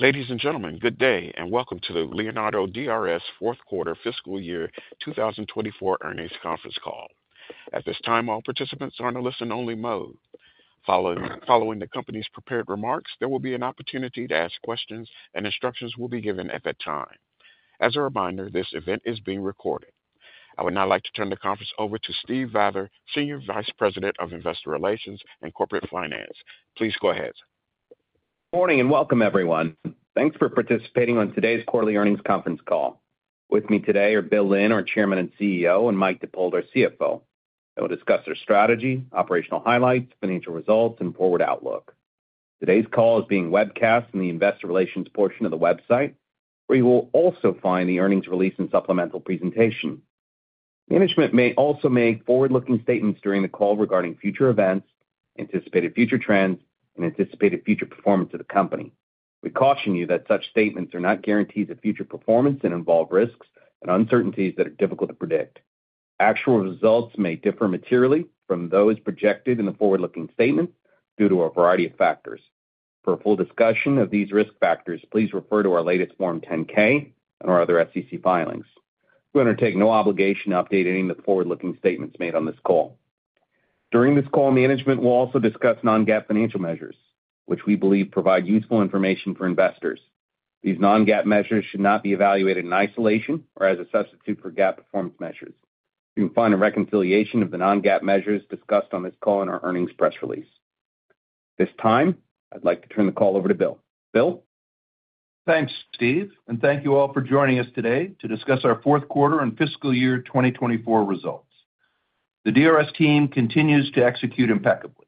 Ladies and gentlemen, good day, and welcome to the Leonardo DRS Fourth Quarter Fiscal Year 2024 Earnings Conference Call. At this time, all participants are in a listen-only mode. Following the company's prepared remarks, there will be an opportunity to ask questions, and instructions will be given at that time. As a reminder, this event is being recorded. I would now like to turn the conference over to Steve Vather, Senior Vice President of Investor Relations and Corporate Finance. Please go ahead. Good morning and welcome, everyone. Thanks for participating on today's Quarterly Earnings Conference Call. With me today are Bill Lynn, our Chairman and CEO, and Mike Dippold, our CFO. They will discuss their strategy, operational highlights, financial results, and forward outlook. Today's call is being webcast from the Investor Relations portion of the website, where you will also find the earnings release and supplemental presentation. Management may also make forward-looking statements during the call regarding future events, anticipated future trends, and anticipated future performance of the company. We caution you that such statements are not guarantees of future performance and involve risks and uncertainties that are difficult to predict. Actual results may differ materially from those projected in the forward-looking statements due to a variety of factors. For a full discussion of these risk factors, please refer to our latest Form 10-K and our other SEC filings. We undertake no obligation to update any of the forward-looking statements made on this call. During this call, management will also discuss non-GAAP financial measures, which we believe provide useful information for investors. These non-GAAP measures should not be evaluated in isolation or as a substitute for GAAP performance measures. You can find a reconciliation of the non-GAAP measures discussed on this call in our earnings press release. At this time, I'd like to turn the call over to Bill. Bill? Thanks, Steve, and thank you all for joining us today to discuss our fourth quarter and fiscal year 2024 results. The DRS team continues to execute impeccably.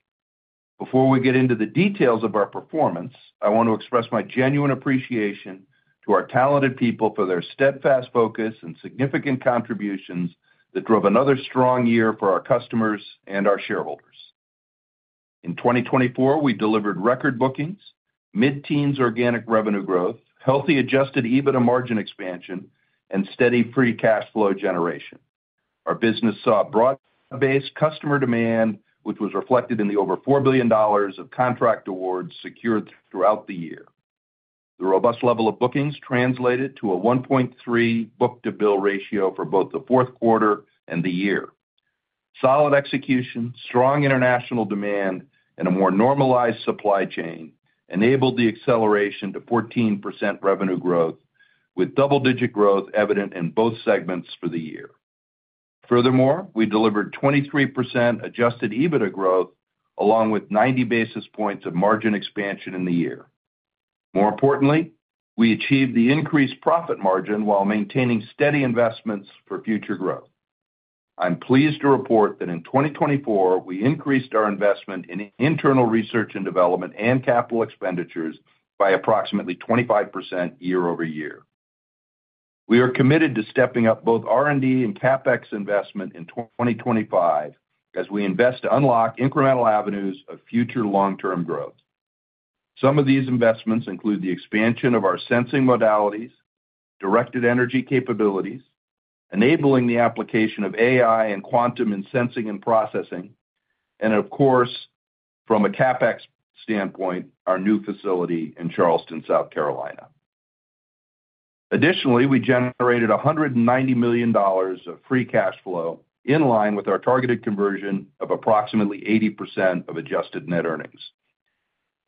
Before we get into the details of our performance, I want to express my genuine appreciation to our talented people for their steadfast focus and significant contributions that drove another strong year for our customers and our shareholders. In 2024, we delivered record bookings, mid-teens organic revenue growth, healthy Adjusted EBITDA margin expansion, and steady free cash flow generation. Our business saw broad-based customer demand, which was reflected in the over $4 billion of contract awards secured throughout the year. The robust level of bookings translated to a 1.3% book-to-bill ratio for both the fourth quarter and the year. Solid execution, strong international demand, and a more normalized supply chain enabled the acceleration to 14% revenue growth, with double-digit growth evident in both segments for the year. Furthermore, we delivered 23% adjusted EBITDA growth, along with 90 basis points of margin expansion in the year. More importantly, we achieved the increased profit margin while maintaining steady investments for future growth. I'm pleased to report that in 2024, we increased our investment in internal research and development and capital expenditures by approximately 25% year-over-year. We are committed to stepping up both R&D and CapEx investment in 2025 as we invest to unlock incremental avenues of future long-term growth. Some of these investments include the expansion of our sensing modalities, directed energy capabilities, enabling the application of AI and quantum in sensing and processing, and, of course, from a CapEx standpoint, our new facility in Charleston, South Carolina. Additionally, we generated $190 million of free cash flow in line with our targeted conversion of approximately 80% of adjusted net earnings.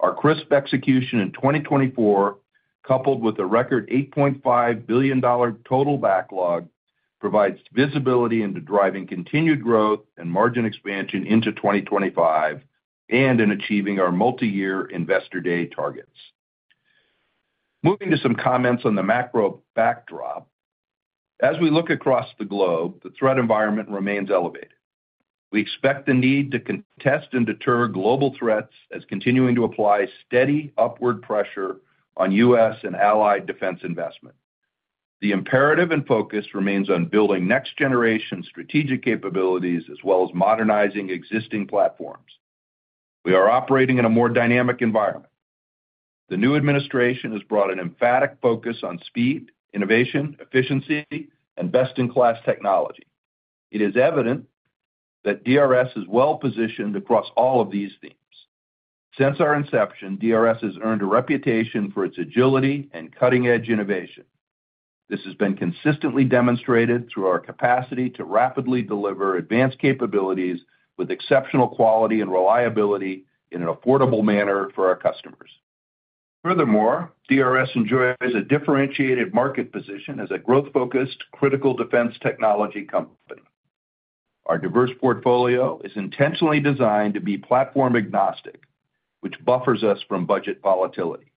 Our crisp execution in 2024, coupled with a record $8.5 billion total backlog, provides visibility into driving continued growth and margin expansion into 2025 and in achieving our multi-year Investor Day targets. Moving to some comments on the macro backdrop, as we look across the globe, the threat environment remains elevated. We expect the need to contest and deter global threats as continuing to apply steady upward pressure on U.S. and allied defense investment. The imperative and focus remains on building next-generation strategic capabilities as well as modernizing existing platforms. We are operating in a more dynamic environment. The new administration has brought an emphatic focus on speed, innovation, efficiency, and best-in-class technology. It is evident that DRS is well-positioned across all of these themes. Since our inception, DRS has earned a reputation for its agility and cutting-edge innovation. This has been consistently demonstrated through our capacity to rapidly deliver advanced capabilities with exceptional quality and reliability in an affordable manner for our customers. Furthermore, DRS enjoys a differentiated market position as a growth-focused, critical defense technology company. Our diverse portfolio is intentionally designed to be platform-agnostic, which buffers us from budget volatility.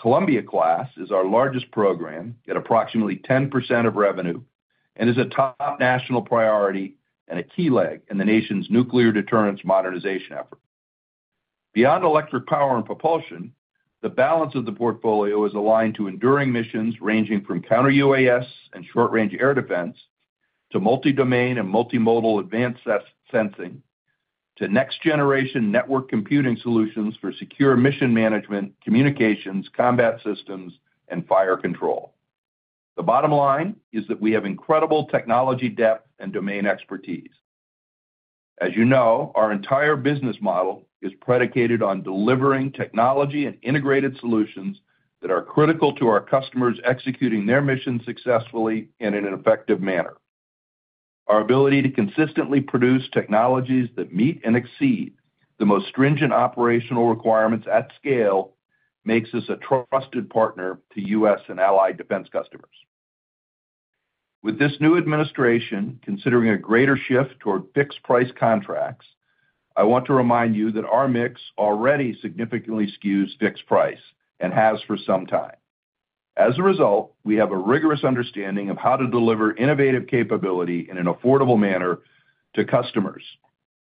Columbia-class is our largest program, yet approximately 10% of revenue, and is a top national priority and a key leg in the nation's nuclear deterrence modernization effort. Beyond electric power and propulsion, the balance of the portfolio is aligned to enduring missions ranging from counter-UAS and short-range air defense to multi-domain and multimodal advanced sensing to next-generation network computing solutions for secure mission management, communications, combat systems, and fire control. The bottom line is that we have incredible technology depth and domain expertise. As you know, our entire business model is predicated on delivering technology and integrated solutions that are critical to our customers executing their missions successfully and in an effective manner. Our ability to consistently produce technologies that meet and exceed the most stringent operational requirements at scale makes us a trusted partner to U.S. and allied defense customers. With this new administration considering a greater shift toward fixed-price contracts, I want to remind you that our mix already significantly skews fixed-price and has for some time. As a result, we have a rigorous understanding of how to deliver innovative capability in an affordable manner to customers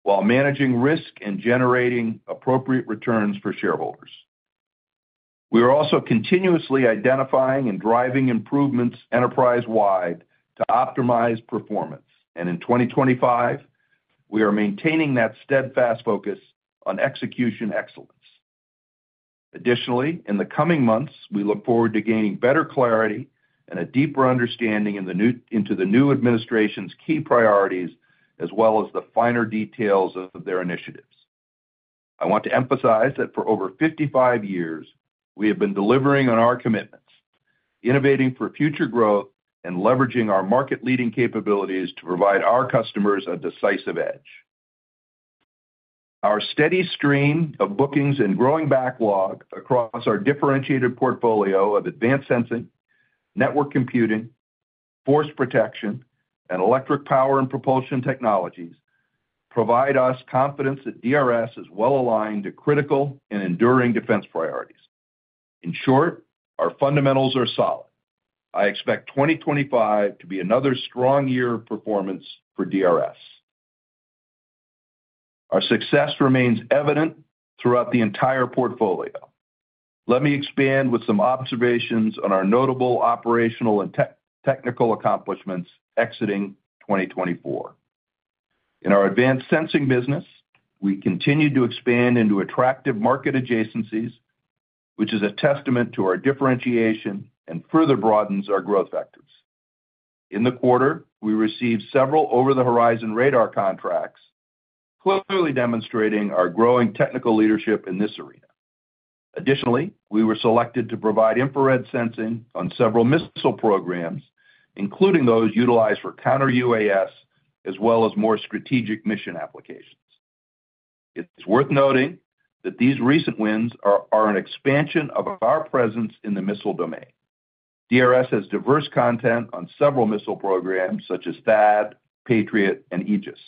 while managing risk and generating appropriate returns for shareholders. We are also continuously identifying and driving improvements enterprise-wide to optimize performance, and in 2025, we are maintaining that steadfast focus on execution excellence. Additionally, in the coming months, we look forward to gaining better clarity and a deeper understanding into the new administration's key priorities as well as the finer details of their initiatives. I want to emphasize that for over 55 years, we have been delivering on our commitments, innovating for future growth, and leveraging our market-leading capabilities to provide our customers a decisive edge. Our steady stream of bookings and growing backlog across our differentiated portfolio of advanced sensing, network computing, force protection, and electric power and propulsion technologies provide us confidence that DRS is well-aligned to critical and enduring defense priorities. In short, our fundamentals are solid. I expect 2025 to be another strong year of performance for DRS. Our success remains evident throughout the entire portfolio. Let me expand with some observations on our notable operational and technical accomplishments exiting 2024. In our advanced sensing business, we continue to expand into attractive market adjacencies, which is a testament to our differentiation and further broadens our growth factors. In the quarter, we received several over-the-horizon radar contracts, clearly demonstrating our growing technical leadership in this arena. Additionally, we were selected to provide infrared sensing on several missile programs, including those utilized for counter-UAS as well as more strategic mission applications. It's worth noting that these recent wins are an expansion of our presence in the missile domain. DRS has diverse content on several missile programs such as THAAD, Patriot, and Aegis.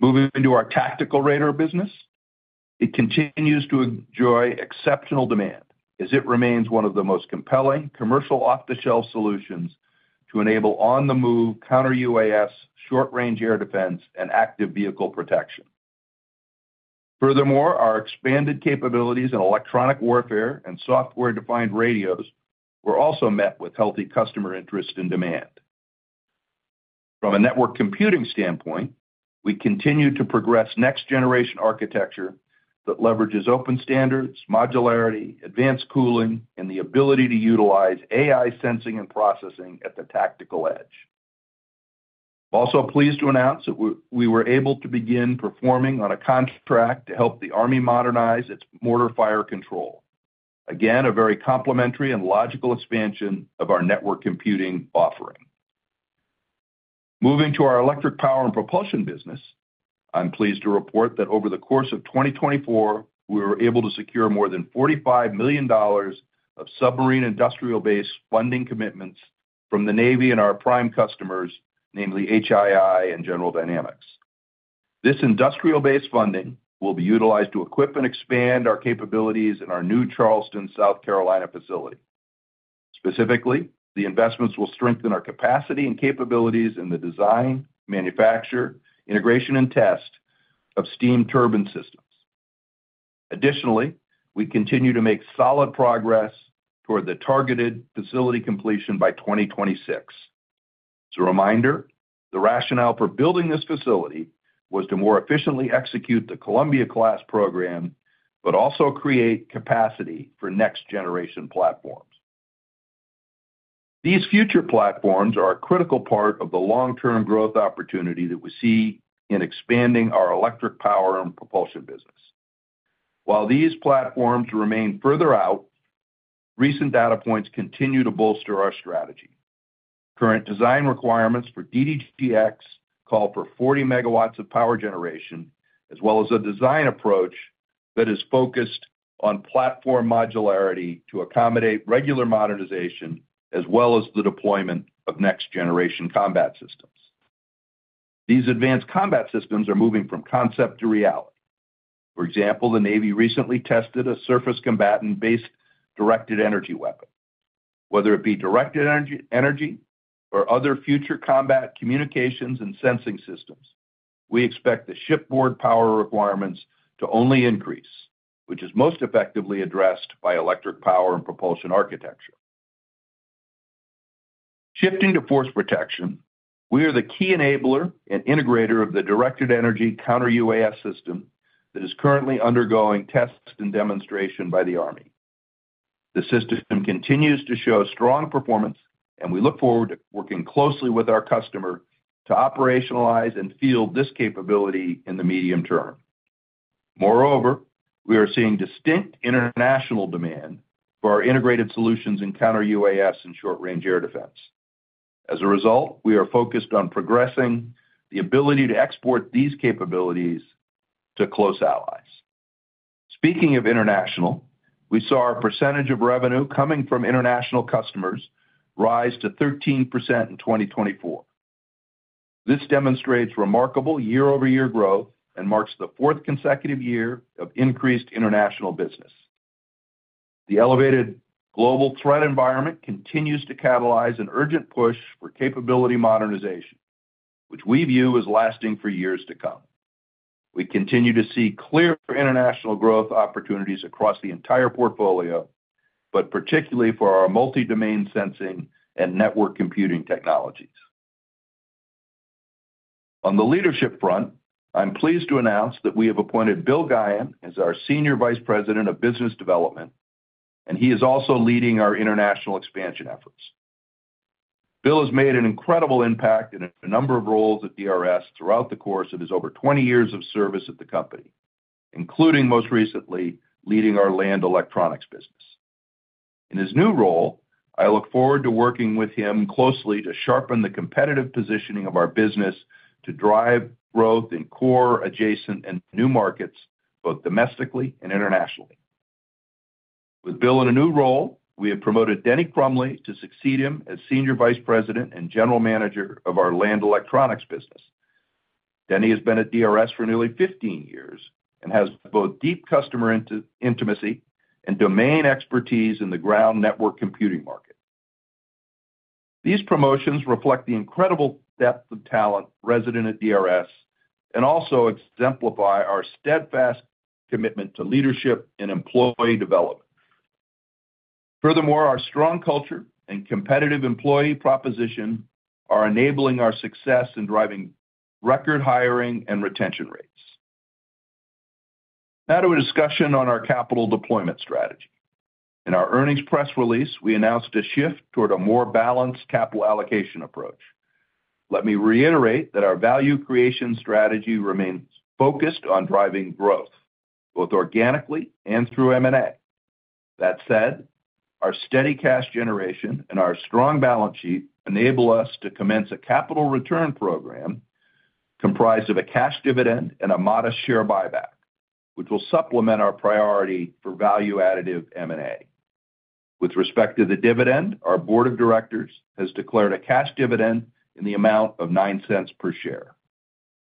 Moving to our tactical radar business, it continues to enjoy exceptional demand as it remains one of the most compelling commercial off-the-shelf solutions to enable on-the-move counter-UAS, short-range air defense, and active vehicle protection. Furthermore, our expanded capabilities in electronic warfare and software-defined radios were also met with healthy customer interest and demand. From a network computing standpoint, we continue to progress next-generation architecture that leverages open standards, modularity, advanced cooling, and the ability to utilize AI sensing and processing at the tactical edge. I'm also pleased to announce that we were able to begin performing on a contract to help the Army modernize its mortar fire control. Again, a very complementary and logical expansion of our network computing offering. Moving to our electric power and propulsion business, I'm pleased to report that over the course of 2024, we were able to secure more than $45 million of submarine industrial base funding commitments from the Navy and our prime customers, namely HII and General Dynamics. This industrial base funding will be utilized to equip and expand our capabilities in our new Charleston, South Carolina facility. Specifically, the investments will strengthen our capacity and capabilities in the design, manufacture, integration, and test of steam turbine systems. Additionally, we continue to make solid progress toward the targeted facility completion by 2026. As a reminder, the rationale for building this facility was to more efficiently execute the Columbia-class program, but also create capacity for next-generation platforms. These future platforms are a critical part of the long-term growth opportunity that we see in expanding our electric power and propulsion business. While these platforms remain further out, recent data points continue to bolster our strategy. Current design requirements for DDG(X) all for 40 megawatts of power generation, as well as a design approach that is focused on platform modularity to accommodate regular modernization, as well as the deployment of next-generation combat systems. These advanced combat systems are moving from concept to reality. For example, the Navy recently tested a surface combatant-based directed energy weapon. Whether it be directed energy or other future combat communications and sensing systems, we expect the shipboard power requirements to only increase, which is most effectively addressed by electric power and propulsion architecture. Shifting to force protection, we are the key enabler and integrator of the directed energy Counter-UAS system that is currently undergoing tests and demonstration by the Army. The system continues to show strong performance, and we look forward to working closely with our customer to operationalize and field this capability in the medium term. Moreover, we are seeing distinct international demand for our integrated solutions in Counter-UAS and short-range air defense. As a result, we are focused on progressing the ability to export these capabilities to close allies. Speaking of international, we saw our percentage of revenue coming from international customers rise to 13% in 2024. This demonstrates remarkable year-over-year growth and marks the fourth consecutive year of increased international business. The elevated global threat environment continues to catalyze an urgent push for capability modernization, which we view as lasting for years to come. We continue to see clear international growth opportunities across the entire portfolio, but particularly for our multi-domain sensing and network computing technologies. On the leadership front, I'm pleased to announce that we have appointed Bill Guyan as our Senior Vice President of Business Development, and he is also leading our international expansion efforts. Bill has made an incredible impact in a number of roles at DRS throughout the course of his over 20 years of service at the company, including most recently leading our Land Electronics business. In his new role, I look forward to working with him closely to sharpen the competitive positioning of our business to drive growth in core, adjacent, and new markets, both domestically and internationally. With Bill in a new role, we have promoted Denny Crumley to succeed him as Senior Vice President and General Manager of our Land Electronics business. Denny has been at DRS for nearly 15 years and has both deep customer intimacy and domain expertise in the ground network computing market. These promotions reflect the incredible depth of talent resident at DRS and also exemplify our steadfast commitment to leadership and employee development. Furthermore, our strong culture and competitive employee proposition are enabling our success in driving record hiring and retention rates. Now to a discussion on our capital deployment strategy. In our earnings press release, we announced a shift toward a more balanced capital allocation approach. Let me reiterate that our value creation strategy remains focused on driving growth, both organically and through M&A. That said, our steady cash generation and our strong balance sheet enable us to commence a capital return program comprised of a cash dividend and a modest share buyback, which will supplement our priority for value-additive M&A. With respect to the dividend, our board of directors has declared a cash dividend in the amount of $0.09 per share.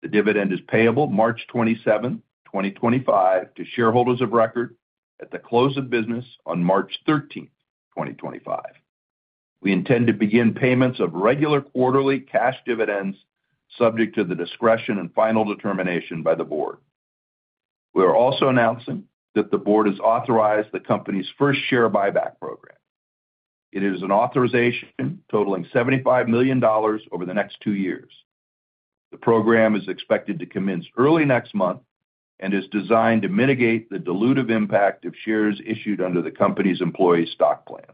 The dividend is payable March 27, 2025, to shareholders of record at the close of business on March 13, 2025. We intend to begin payments of regular quarterly cash dividends subject to the discretion and final determination by the board. We are also announcing that the board has authorized the company's first share buyback program. It is an authorization totaling $75 million over the next two years. The program is expected to commence early next month and is designed to mitigate the dilutive impact of shares issued under the company's employee stock plan.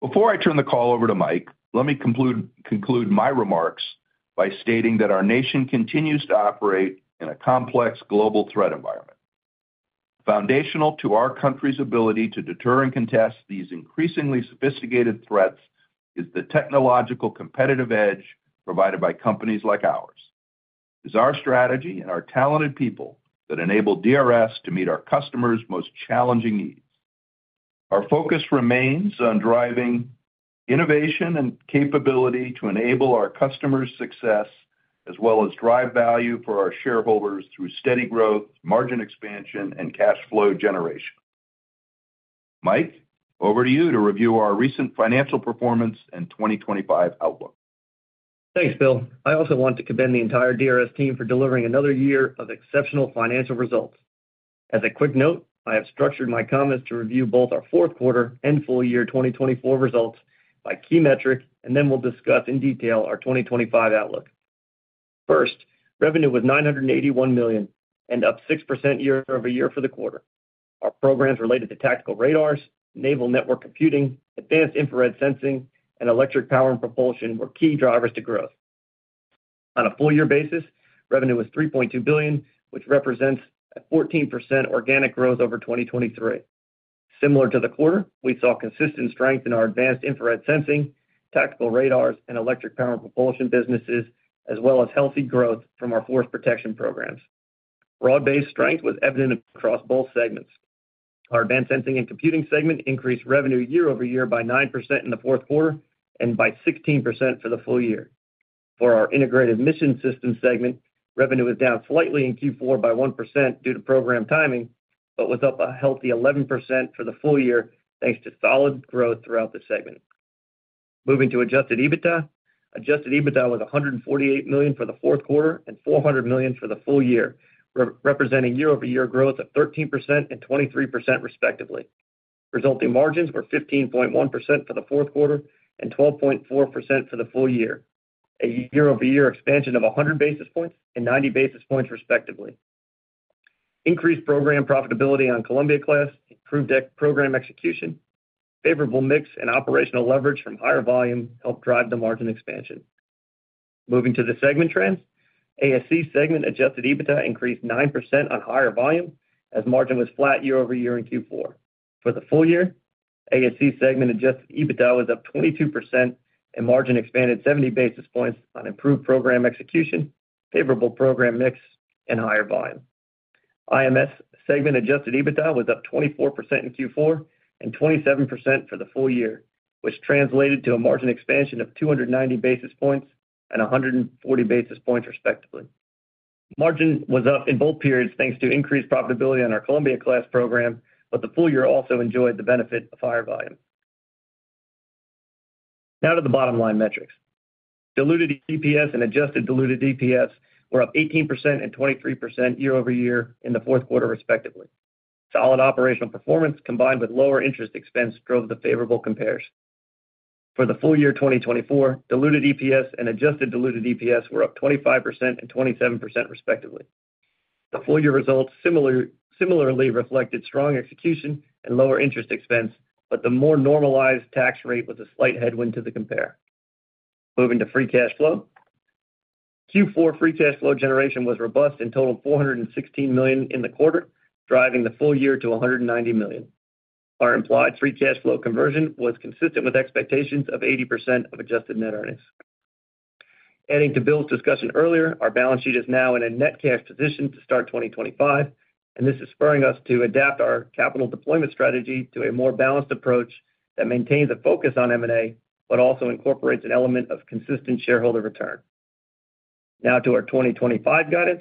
Before I turn the call over to Mike, let me conclude my remarks by stating that our nation continues to operate in a complex global threat environment. Foundational to our country's ability to deter and contest these increasingly sophisticated threats is the technological competitive edge provided by companies like ours. It is our strategy and our talented people that enable DRS to meet our customers' most challenging needs. Our focus remains on driving innovation and capability to enable our customers' success, as well as drive value for our shareholders through steady growth, margin expansion, and cash flow generation. Mike, over to you to review our recent financial performance and 2025 outlook. Thanks, Bill. I also want to commend the entire DRS team for delivering another year of exceptional financial results. As a quick note, I have structured my comments to review both our fourth quarter and full year 2024 results by key metric, and then we'll discuss in detail our 2025 outlook. First, revenue was $981 million and up 6% year-over-year for the quarter. Our programs related to tactical radars, naval network computing, advanced infrared sensing, and electric power and propulsion were key drivers to growth. On a full year basis, revenue was $3.2 billion, which represents a 14% organic growth over 2023. Similar to the quarter, we saw consistent strength in our advanced infrared sensing, tactical radars, and electric power and propulsion businesses, as well as healthy growth from our force protection programs. Broad-based strength was evident across both segments. Our Advanced Sensing and Computing segment increased revenue year-over-year by 9% in the fourth quarter and by 16% for the full year. For our Integrated Mission Systems segment, revenue was down slightly in Q4 by 1% due to program timing, but was up a healthy 11% for the full year thanks to solid growth throughout the segment. Moving to Adjusted EBITDA, Adjusted EBITDA was $148 million for the fourth quarter and $400 million for the full year, representing year-over-year growth of 13% and 23% respectively. Resulting margins were 15.1% for the fourth quarter and 12.4% for the full year, a year-over-year expansion of 100 basis points and 90 basis points respectively. Increased program profitability on Columbia-class, improved program execution, favorable mix, and operational leverage from higher volume helped drive the margin expansion. Moving to the segment trends, ASC segment Adjusted EBITDA increased 9% on higher volume as margin was flat year-over-year in Q4. For the full year, ASC segment Adjusted EBITDA was up 22% and margin expanded 70 basis points on improved program execution, favorable program mix, and higher volume. IMS segment Adjusted EBITDA was up 24% in Q4 and 27% for the full year, which translated to a margin expansion of 290 basis points and 140 basis points respectively. Margin was up in both periods thanks to increased profitability on our Columbia-class program, but the full year also enjoyed the benefit of higher volume. Now to the bottom line metrics. Diluted EPS and adjusted diluted EPS were up 18% and 23% year-over-year in the fourth quarter respectively. Solid operational performance combined with lower interest expense drove the favorable compares. For the full year 2024, diluted EPS and adjusted diluted EPS were up 25% and 27% respectively. The full year results similarly reflected strong execution and lower interest expense, but the more normalized tax rate was a slight headwind to the compare. Moving to free cash flow, Q4 free cash flow generation was robust and totaled $416 million in the quarter, driving the full year to $190 million. Our implied free cash flow conversion was consistent with expectations of 80% of adjusted net earnings. Adding to Bill's discussion earlier, our balance sheet is now in a net cash position to start 2025, and this is spurring us to adapt our capital deployment strategy to a more balanced approach that maintains a focus on M&A, but also incorporates an element of consistent shareholder return. Now to our 2025 guidance,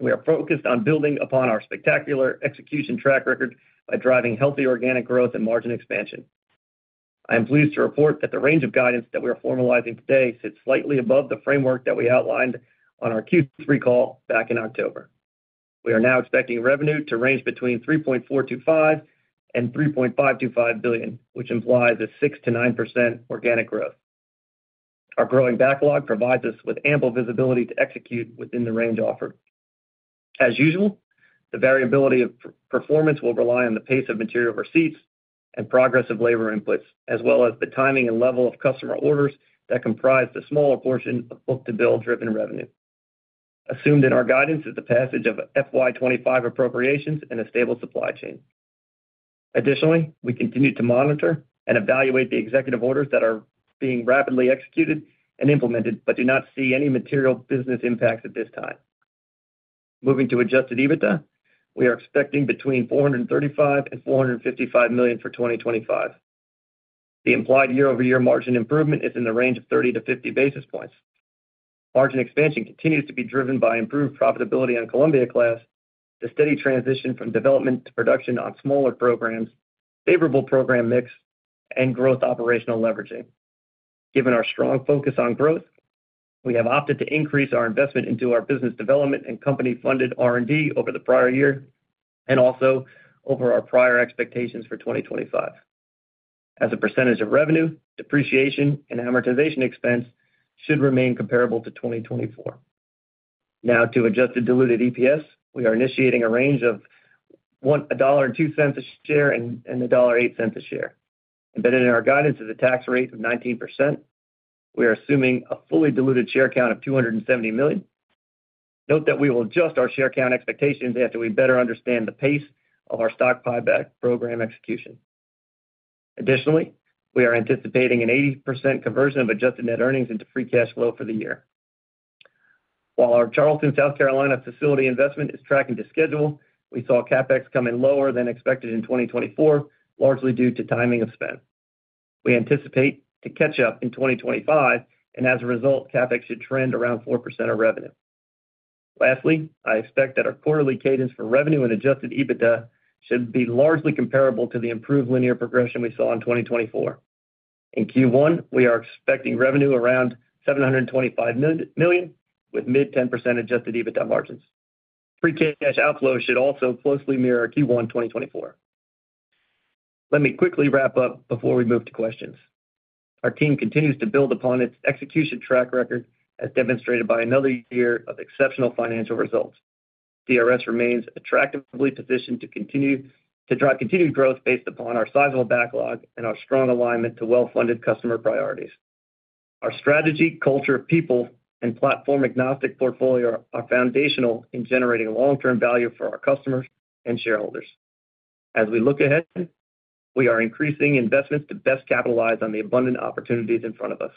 we are focused on building upon our spectacular execution track record by driving healthy organic growth and margin expansion. I am pleased to report that the range of guidance that we are formalizing today sits slightly above the framework that we outlined on our Q3 call back in October. We are now expecting revenue to range between $3.425 billion-$3.525 billion, which implies a 6%-9% organic growth. Our growing backlog provides us with ample visibility to execute within the range offered. As usual, the variability of performance will rely on the pace of material receipts and progress of labor inputs, as well as the timing and level of customer orders that comprise the smaller portion of book-to-bill driven revenue. Assumed in our guidance is the passage of FY2025 appropriations and a stable supply chain. Additionally, we continue to monitor and evaluate the executive orders that are being rapidly executed and implemented, but do not see any material business impacts at this time. Moving to Adjusted EBITDA, we are expecting between $435 million-$455 million for 2025. The implied year-over-year margin improvement is in the range of 30-50 basis points. Margin expansion continues to be driven by improved profitability on Columbia-class, the steady transition from development to production on smaller programs, favorable program mix, and growth operational leveraging. Given our strong focus on growth, we have opted to increase our investment into our business development and company-funded R&D over the prior year and also over our prior expectations for 2025. As a percentage of revenue, depreciation, and amortization expense should remain comparable to 2024. Now to adjusted diluted EPS, we are initiating a range of $1.02-$1.08 a share. Embedded in our guidance is a tax rate of 19%. We are assuming a fully diluted share count of 270 million. Note that we will adjust our share count expectations after we better understand the pace of our stock buyback program execution. Additionally, we are anticipating an 80% conversion of adjusted net earnings into free cash flow for the year. While our Charleston, South Carolina facility investment is tracking to schedule, we saw CapEx come in lower than expected in 2024, largely due to timing of spend. We anticipate to catch up in 2025, and as a result, CapEx should trend around 4% of revenue. Lastly, I expect that our quarterly cadence for revenue and adjusted EBITDA should be largely comparable to the improved linear progression we saw in 2024. In Q1, we are expecting revenue around $725 million with mid-10% adjusted EBITDA margins. Free cash outflow should also closely mirror Q1 2024. Let me quickly wrap up before we move to questions. Our team continues to build upon its execution track record as demonstrated by another year of exceptional financial results. DRS remains attractively positioned to continue to drive continued growth based upon our sizable backlog and our strong alignment to well-funded customer priorities. Our strategy, culture, people, and platform-agnostic portfolio are foundational in generating long-term value for our customers and shareholders. As we look ahead, we are increasing investments to best capitalize on the abundant opportunities in front of us.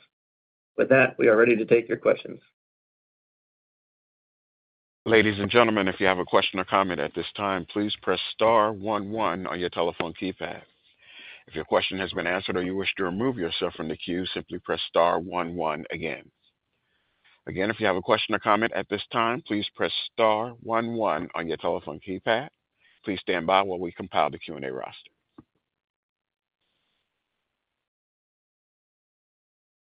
With that, we are ready to take your questions. Ladies and gentlemen, if you have a question or comment at this time, please press star one, one on your telephone keypad. If your question has been answered or you wish to remove yourself from the queue, simply press star one, one again. Again, if you have a question or comment at this time, please press star one, one on your telephone keypad. Please stand by while we compile the Q&A roster.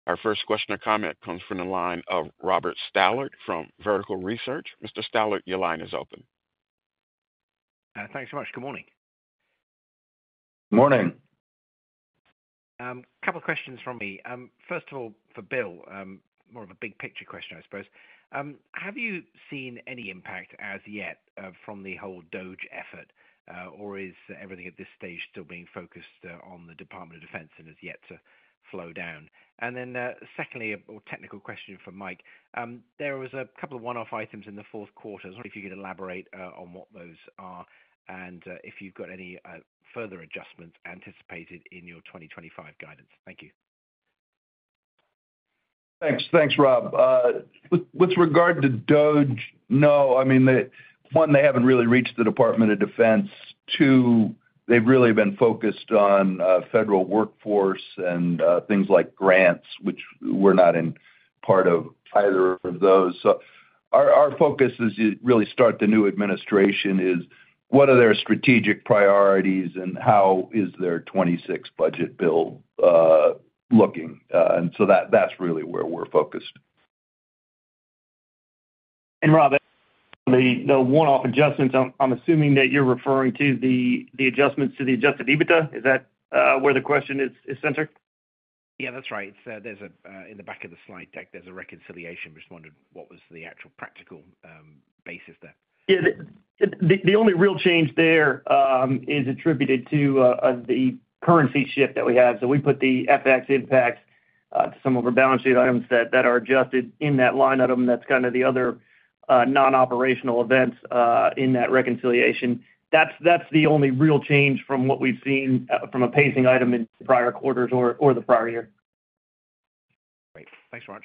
Our first question or comment comes from the line of Robert Stallard from Vertical Research. Mr. Stallard, your line is open. Thanks so much. Good morning. Morning. A couple of questions from me. First of all, for Bill, more of a big picture question, I suppose. Have you seen any impact as yet from the whole DOGE effort, or is everything at this stage still being focused on the Department of Defense and has yet to slow down? And then secondly, a more technical question for Mike. There were a couple of one-off items in the fourth quarter. I was wondering if you could elaborate on what those are and if you've got any further adjustments anticipated in your 2025 guidance. Thank you. Thanks, Rob. With regard to DOGE, no. I mean, one, they haven't really reached the Department of Defense. Two, they've really been focused on federal workforce and things like grants, which we're not in part of either of those. Our focus as you really start the new administration is what are their strategic priorities and how is their 2026 budget bill looking? And so that's really where we're focused. And Rob, the one-off adjustments, I'm assuming that you're referring to the adjustments to the adjusted EBITDA? Is that where the question is centered? Yeah, that's right. In the back of the slide deck, there's a reconciliation. I just wondered what was the actual practical basis there. Yeah, the only real change there is attributed to the currency shift that we have. So we put the FX impact to some of our balance sheet items that are adjusted in that line item. That's kind of the other non-operational events in that reconciliation. That's the only real change from what we've seen from a pacing item in prior quarters or the prior year. Great. Thanks so much.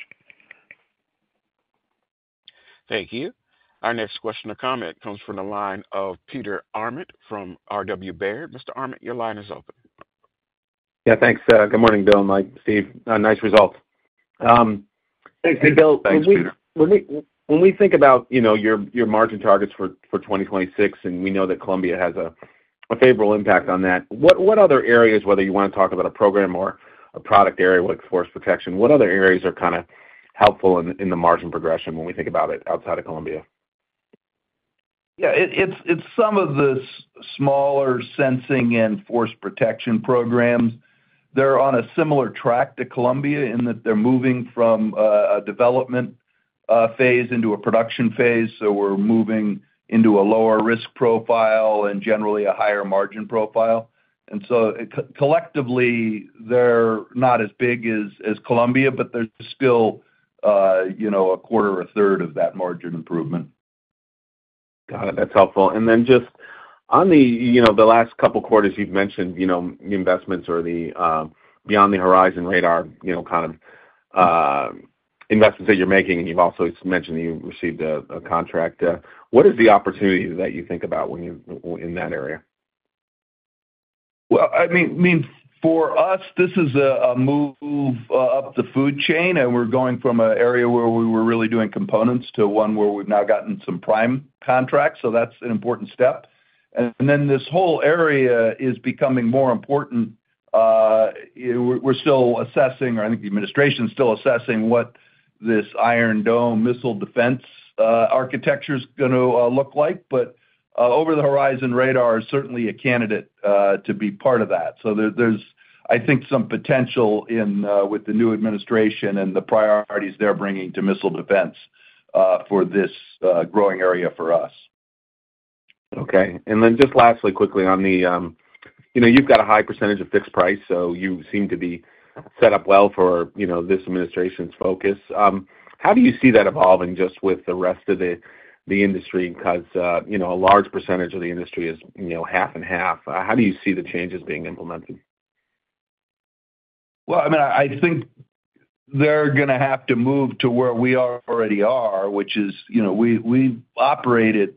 Thank you. Our next question or comment comes from the line of Peter Arment from R.W. Baird. Mr. Arment, your line is open. Yeah, thanks. Good morning, Bill and Mike, Steve. Nice results. Thanks, Bill. Thanks, Peter. When we think about your margin targets for 2026, and we know that Columbia has a favorable impact on that, what other areas, whether you want to talk about a program or a product area like force protection, what other areas are kind of helpful in the margin progression when we think about it outside of Columbia? Yeah, it's some of the smaller sensing and force protection programs. They're on a similar track to Columbia in that they're moving from a development phase into a production phase. So we're moving into a lower risk profile and generally a higher margin profile. And so collectively, they're not as big as Columbia, but they're still a quarter or a third of that margin improvement. Got it. That's helpful. And then just on the last couple of quarters, you've mentioned the investments or the Over-the-Horizon Radar kind of investments that you're making. And you've also mentioned that you received a contract. What is the opportunity that you think about in that area? Well, I mean, for us, this is a move up the food chain, and we're going from an area where we were really doing components to one where we've now gotten some prime contracts. So that's an important step. And then this whole area is becoming more important. We're still assessing, or I think the administration is still assessing what this Iron Dome missile defense architecture is going to look like. Over-the-Horizon Radar is certainly a candidate to be part of that. So there's, I think, some potential with the new administration and the priorities they're bringing to missile defense for this growing area for us. Okay. And then just lastly, quickly on the, you've got a high percentage of fixed-price, so you seem to be set up well for this administration's focus. How do you see that evolving just with the rest of the industry? Because a large percentage of the industry is 50/50. How do you see the changes being implemented? Well, I mean, I think they're going to have to move to where we already are, which is we operate in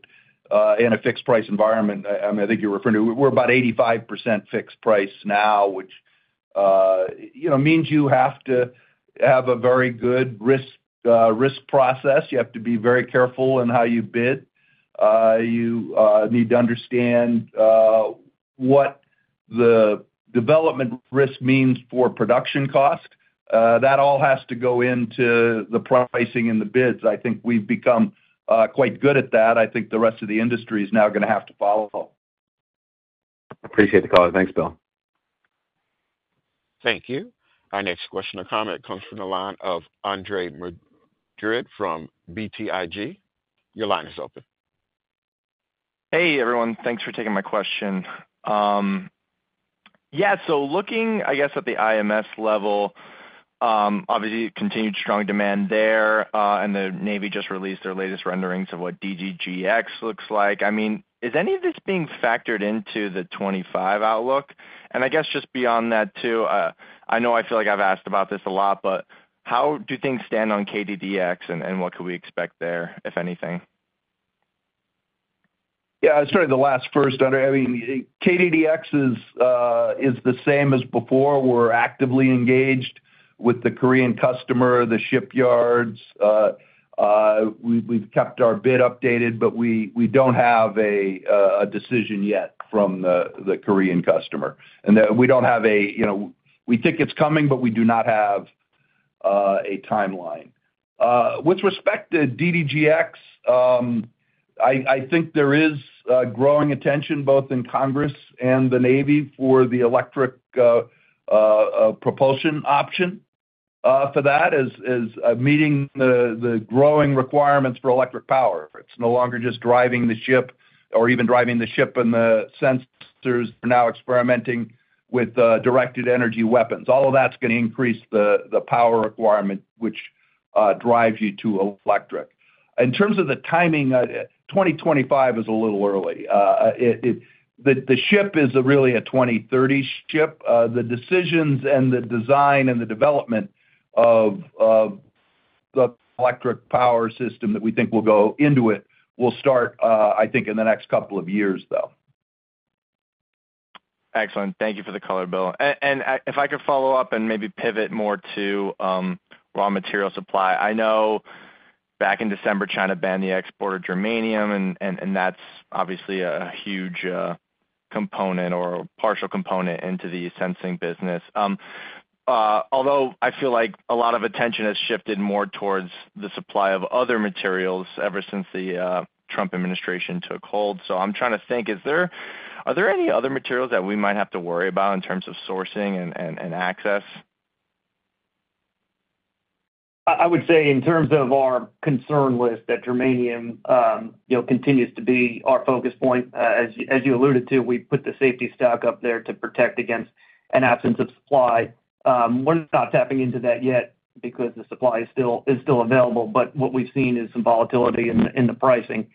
a fixed-price environment. I mean, I think you're referring to we're about 85% fixed-price now, which means you have to have a very good risk process. You have to be very careful in how you bid. You need to understand what the development risk means for production cost. That all has to go into the pricing and the bids. I think we've become quite good at that. I think the rest of the industry is now going to have to follow. Appreciate the call. Thanks, Bill. Thank you. Our next question or comment comes from the line of Andre Madrid from BTIG. Your line is open. Hey, everyone. Thanks for taking my question. Yeah, so looking, I guess, at the IMS level, obviously, continued strong demand there, and the Navy just released their latest renderings of what DDG(X) looks like. I mean, is any of this being factored into the 2025 outlook? And I guess just beyond that too, I know I feel like I've asked about this a lot, but how do things stand on KDDX, and what could we expect there, if anything? Yeah, I'll start with the last first. I mean, KDDX is the same as before. We're actively engaged with the Korean customer, the shipyards. We've kept our bid updated, but we don't have a decision yet from the Korean customer. And we don't have a timeline. We think it's coming, but we do not have a timeline. With respect to DDG(X), I think there is growing attention both in Congress and the Navy for the electric propulsion option for that as meeting the growing requirements for electric power. It's no longer just driving the ship, or even driving the ship and the sensors are now experimenting with directed energy weapons. All of that's going to increase the power requirement, which drives you to electric. In terms of the timing, 2025 is a little early. The ship is really a 2030 ship. The decisions and the design and the development of the electric power system that we think will go into it will start, I think, in the next couple of years, though. Excellent. Thank you for the color, Bill. And if I could follow up and maybe pivot more to raw material supply. I know back in December, China banned the export of germanium, and that's obviously a huge component or partial component into the sensing business. Although I feel like a lot of attention has shifted more towards the supply of other materials ever since the Trump administration took hold. I'm trying to think, are there any other materials that we might have to worry about in terms of sourcing and access? I would say in terms of our concern list, that germanium continues to be our focus point. As you alluded to, we put the safety stock up there to protect against an absence of supply. We're not tapping into that yet because the supply is still available, but what we've seen is some volatility in the pricing.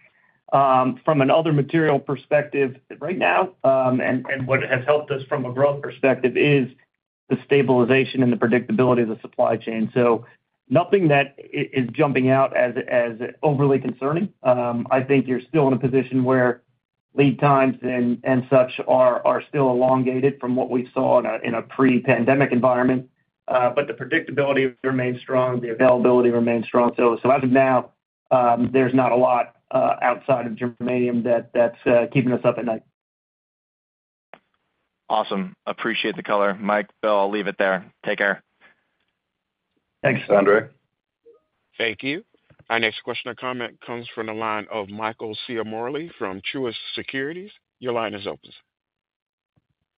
From another material perspective right now, and what has helped us from a growth perspective is the stabilization and the predictability of the supply chain. Nothing that is jumping out as overly concerning. I think you're still in a position where lead times and such are still elongated from what we saw in a pre-pandemic environment. But the predictability remains strong. The availability remains strong. So as of now, there's not a lot outside of germanium that's keeping us up at night. Awesome. Appreciate the color. Mike, Bill, I'll leave it there. Take care. Thanks, Andre. Thank you. Our next question or comment comes from the line of Michael Ciarmoli from Truist Securities. Your line is open.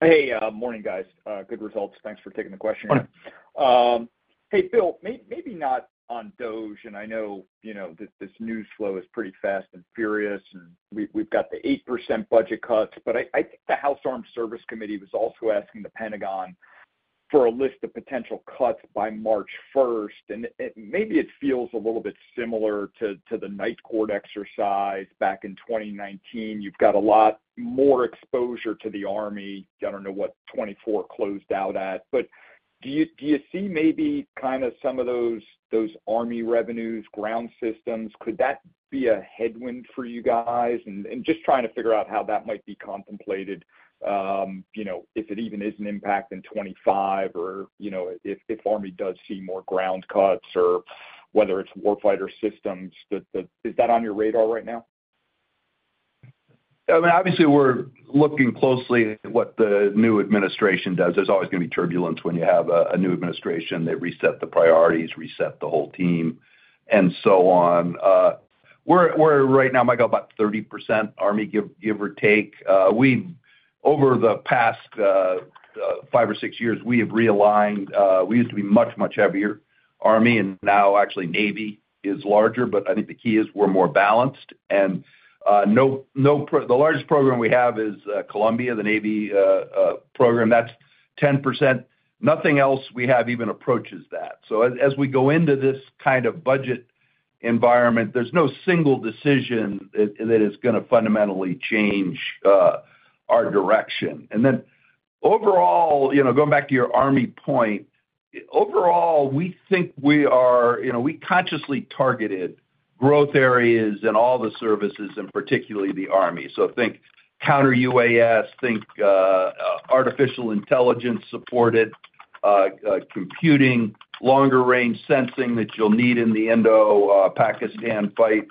Hey, morning, guys. Good results. Thanks for taking the question. Hey, Bill, maybe not on DOGE. And I know this news flow is pretty fast and furious, and we've got the 8% budget cuts. But I think the House Armed Services Committee was also asking the Pentagon for a list of potential cuts by March 1st. And maybe it feels a little bit similar to the Night Court exercise back in 2019. You've got a lot more exposure to the army. I don't know what 24 closed out at. But do you see maybe kind of some of those army revenues, ground systems? Could that be a headwind for you guys? And just trying to figure out how that might be contemplated, if it even is an impact in 2025, or if army does see more ground cuts, or whether it's warfighter systems. Is that on your radar right now? I mean, obviously, we're looking closely at what the new administration does. There's always going to be turbulence when you have a new administration. They reset the priorities, reset the whole team, and so on. We're right now, Michael, about 30% army, give or take. Over the past five or six years, we have realigned. We used to be much, much heavier army, and now actually navy is larger. But I think the key is we're more balanced. And the largest program we have is Columbia, the navy program. That's 10%. Nothing else we have even approaches that. So as we go into this kind of budget environment, there's no single decision that is going to fundamentally change our direction. And then overall, going back to your army point, overall, we think we consciously targeted growth areas in all the services, and particularly the army. So think Counter-UAS, think artificial intelligence supported computing, longer range sensing that you'll need in the Indo-Pakistan fight.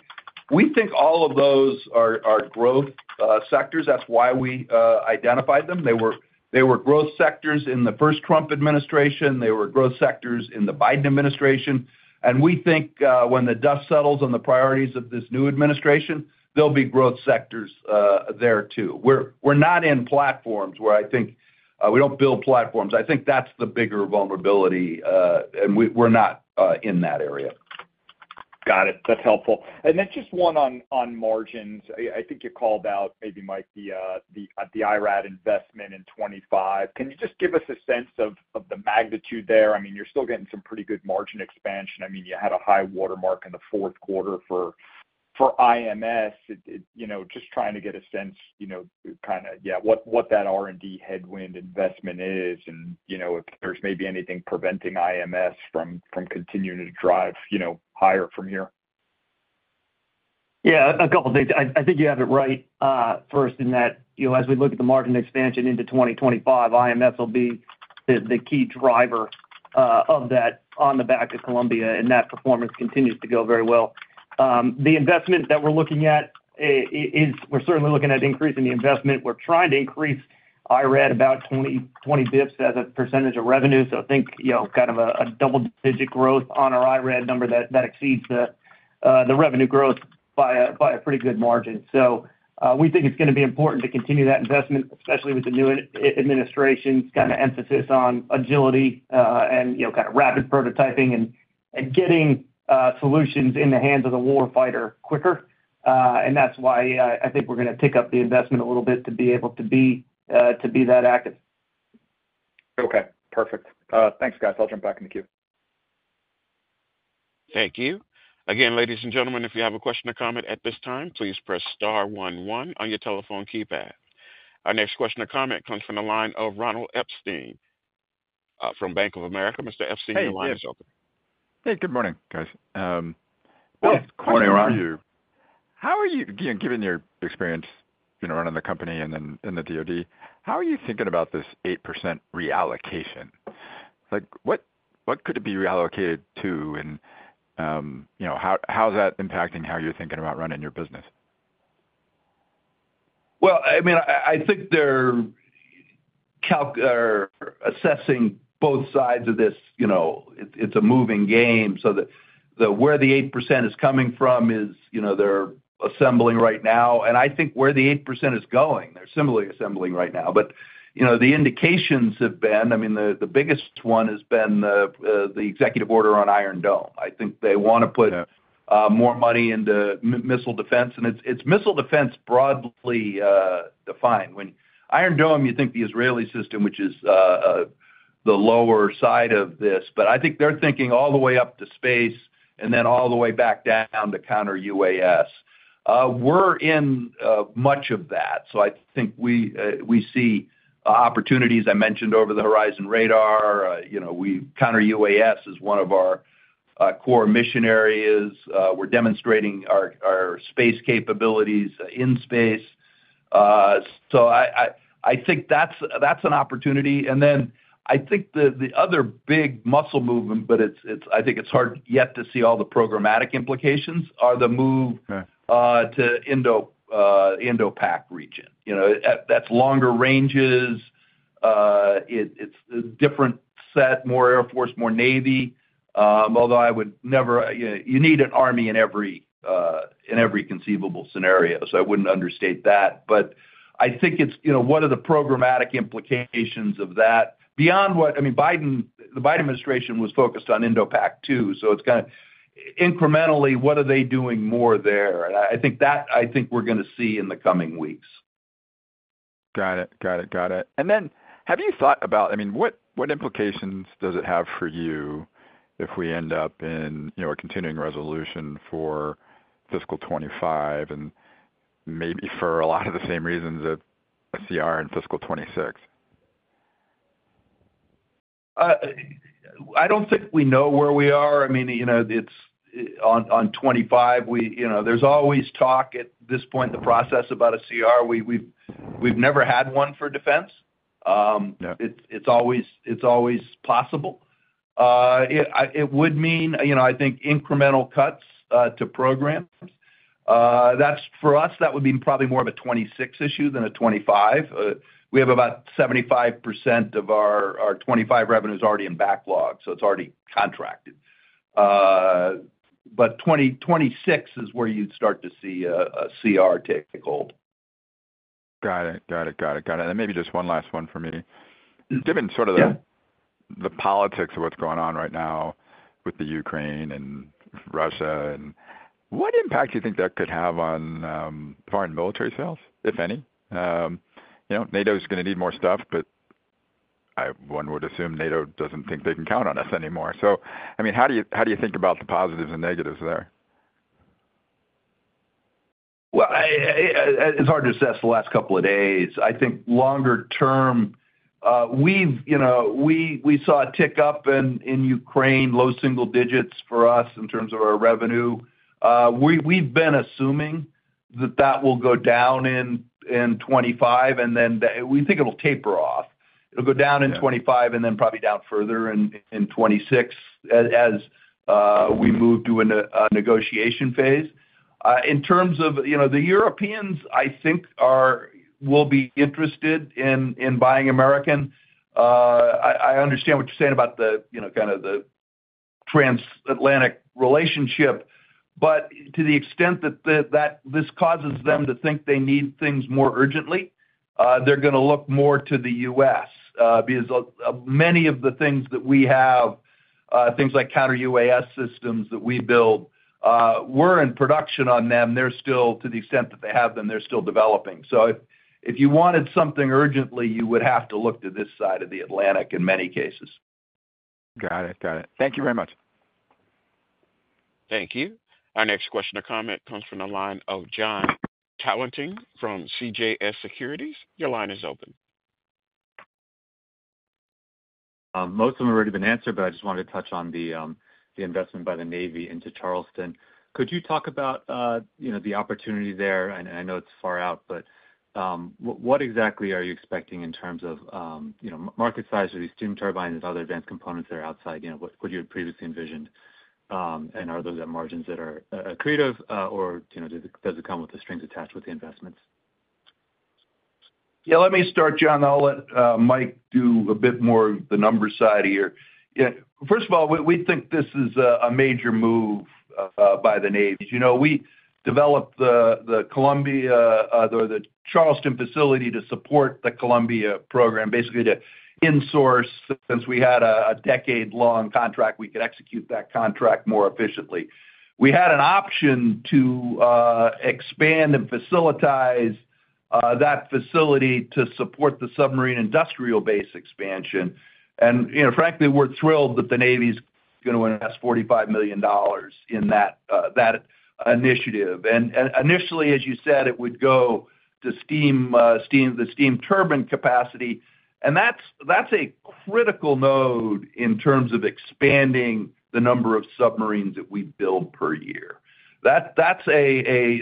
We think all of those are growth sectors. That's why we identified them. They were growth sectors in the first Trump administration. They were growth sectors in the Biden administration. And we think when the dust settles on the priorities of this new administration, there'll be growth sectors there too. We're not in platforms where I think we don't build platforms. I think that's the bigger vulnerability, and we're not in that area. Got it. That's helpful. And then just one on margins. I think you called out, maybe, Mike, the IRAD investment in 2025. Can you just give us a sense of the magnitude there? I mean, you're still getting some pretty good margin expansion. I mean, you had a high watermark in the fourth quarter for IMS. Just trying to get a sense kind of, yeah, what that R&D headwind investment is, and if there's maybe anything preventing IMS from continuing to drive higher from here. Yeah, a couple of things. I think you have it right first in that as we look at the margin expansion into 2025, IMS will be the key driver of that on the back of Columbia, and that performance continues to go very well. The investment that we're looking at is we're certainly looking at increasing the investment. We're trying to increase IRAD about 20 basis points as a percentage of revenue. So I think kind of a double-digit growth on our IRAD number that exceeds the revenue growth by a pretty good margin. So we think it's going to be important to continue that investment, especially with the new administration's kind of emphasis on agility and kind of rapid prototyping and getting solutions in the hands of the warfighter quicker, and that's why I think we're going to tick up the investment a little bit to be able to be that active. Okay. Perfect. Thanks, guys. I'll jump back into the queue. Thank you. Again, ladies and gentlemen, if you have a question or comment at this time, please press star one, one on your telephone keypad. Our next question or comment comes from the line of Ronald Epstein from Bank of America. Mr. Epstein, your line is open. Hey, good morning, guys. Good morning, Ronald. How are you given your experience running the company and the DOD, how are you thinking about this 8% reallocation? What could it be reallocated to, and how is that impacting how you're thinking about running your business? Well, I mean, I think they're assessing both sides of this. It's a moving game. So where the 8% is coming from is they're assembling right now. And I think where the 8% is going, they're similarly assembling right now. But the indications have been I mean, the biggest one has been the executive order on Iron Dome. I think they want to put more money into missile defense. And it's missile defense broadly defined. When Iron Dome, you think the Israeli system, which is the lower side of this. But I think they're thinking all the way up to space and then all the way back down to Counter-UAS. We're in much of that. So I think we see opportunities. I mentioned Over-the-Horizon Radar. Counter-UAS is one of our core mission areas. We're demonstrating our space capabilities in space. So I think that's an opportunity. And then I think the other big muscle movement, but I think it's hard yet to see all the programmatic implications, are the move to Indo-Pac region. That's longer ranges. It's a different set, more Air Force, more Navy. Although I would never you need an Army in every conceivable scenario. So I wouldn't understate that. But I think it's what are the programmatic implications of that beyond what I mean, the Biden administration was focused on Indo-Pac too. So it's kind of incrementally, what are they doing more there? I think we're going to see in the coming weeks. Got it. Got it. Got it. Then have you thought about, I mean, what implications does it have for you if we end up in a continuing resolution for fiscal 2025 and maybe for a lot of the same reasons of CR in fiscal 2026? I don't think we know where we are. I mean, on 2025, there's always talk at this point in the process about a CR. We've never had one for defense. It's always possible. It would mean, I think, incremental cuts to programs. For us, that would be probably more of a 2026 issue than a 2025. We have about 75% of our 2025 revenues already in backlog. So it's already contracted. But 2026 is where you'd start to see a CR take hold. Got it. Got it. Got it. Got it. And then maybe just one last one for me. Given sort of the politics of what's going on right now with the Ukraine and Russia, what impact do you think that could have on foreign military sales, if any? NATO's going to need more stuff, but one would assume NATO doesn't think they can count on us anymore. So I mean, how do you think about the positives and negatives there? It is hard to assess the last couple of days. I think longer term, we saw a tick up in Ukraine, low single digits for us in terms of our revenue. We've been assuming that that will go down in 2025, and then we think it'll taper off. It'll go down in 2025 and then probably down further in 2026 as we move to a negotiation phase. In terms of the Europeans, I think will be interested in buying American. I understand what you're saying about kind of the transatlantic relationship. But to the extent that this causes them to think they need things more urgently, they're going to look more to the U.S. because many of the things that we have, things like counter-UAS systems that we build, we're in production on them. They're still, to the extent that they have them, they're still developing. So if you wanted something urgently, you would have to look to this side of the Atlantic in many cases. Got it. Got it. Thank you very much. Thank you. Our next question or comment comes from the line of Jon Tanwanteng from CJS Securities. Your line is open. Most of them have already been answered, but I just wanted to touch on the investment by the Navy into Charleston. Could you talk about the opportunity there? And I know it's far out, but what exactly are you expecting in terms of market size for these steam turbines and other advanced components that are outside what you had previously envisioned? And are those at margins that are creative, or does it come with the strings attached with the investments? Yeah, let me start, Jon. I'll let Mike do a bit more of the numbers side here. First of all, we think this is a major move by the Navy. We developed the Charleston facility to support the Columbia program, basically to insource since we had a decade-long contract, we could execute that contract more efficiently. We had an option to expand and facilitize that facility to support the Submarine Industrial Base expansion. And frankly, we're thrilled that the Navy's going to invest $45 million in that initiative. Initially, as you said, it would go to the steam turbine capacity. That's a critical node in terms of expanding the number of submarines that we build per year. That's a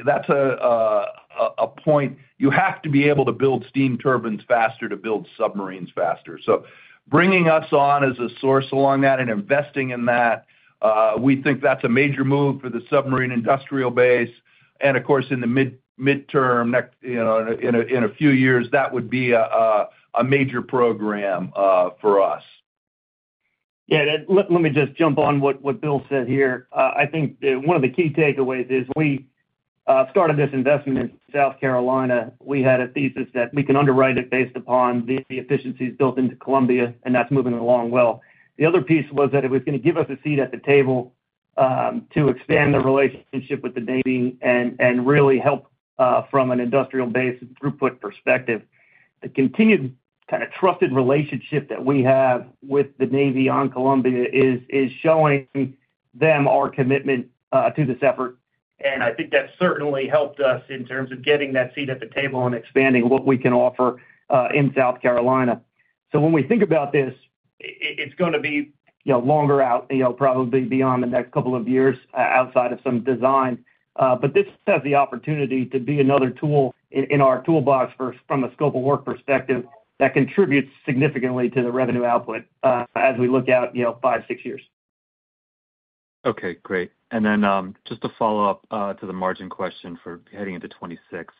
point. You have to be able to build steam turbines faster to build submarines faster. Bringing us on as a source along that and investing in that, we think that's a major move for the submarine industrial base. Of course, in the midterm, in a few years, that would be a major program for us. Yeah. Let me just jump on what Bill said here. I think one of the key takeaways is we started this investment in South Carolina. We had a thesis that we can underwrite it based upon the efficiencies built into Columbia, and that's moving along well. The other piece was that it was going to give us a seat at the table to expand the relationship with the Navy and really help from an industrial base throughput perspective. The continued kind of trusted relationship that we have with the Navy on Columbia is showing them our commitment to this effort, and I think that's certainly helped us in terms of getting that seat at the table and expanding what we can offer in South Carolina. When we think about this, it's going to be longer out, probably beyond the next couple of years outside of some design, but this has the opportunity to be another tool in our toolbox from a scope of work perspective that contributes significantly to the revenue output as we look out five, six years. Okay. Great. And then just to follow up to the margin question for heading into 2026,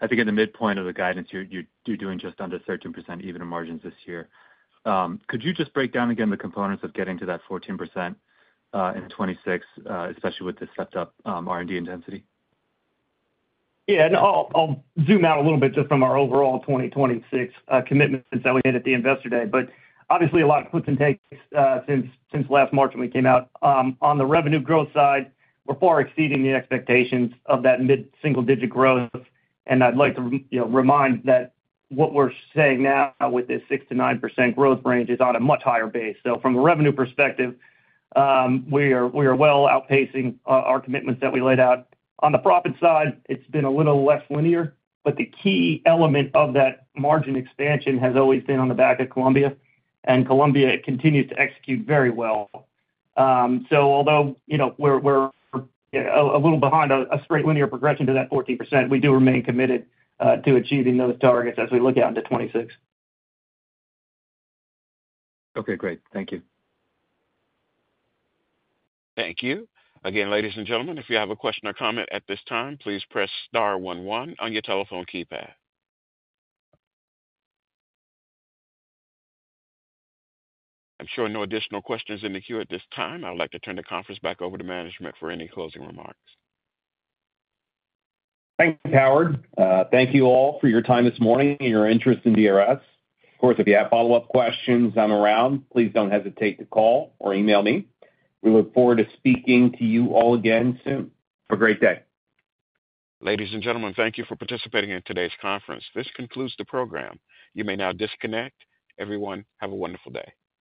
I think at the midpoint of the guidance, you're doing just under 13% EBITDA margins this year. Could you just break down again the components of getting to that 14% in 2026, especially with the stepped-up R&D intensity? Yeah. And I'll zoom out a little bit just from our overall 2026 commitments that we had at the investor day. But obviously, a lot of puts and takes since last March when we came out. On the revenue growth side, we're far exceeding the expectations of that mid-single-digit growth. And I'd like to remind that what we're saying now with this 6%-9% growth range is on a much higher base. So from a revenue perspective, we are well outpacing our commitments that we laid out. On the profit side, it's been a little less linear. But the key element of that margin expansion has always been on the back of Columbia. And Columbia continues to execute very well. So although we're a little behind a straight linear progression to that 14%, we do remain committed to achieving those targets as we look out into 2026. Okay. Great. Thank you. Thank you. Again, ladies and gentlemen, if you have a question or comment at this time, please press star one, one on your telephone keypad. I'm showing no additional questions in the queue at this time. I'd like to turn the conference back over to management for any closing remarks. Thank you, Howard. Thank you all for your time this morning and your interest in DRS. Of course, if you have follow-up questions down the road, please don't hesitate to call or email me. We look forward to speaking to you all again soon. Have a great day. Ladies and gentlemen, thank you for participating in today's conference. This concludes the program. You may now disconnect. Everyone, have a wonderful day.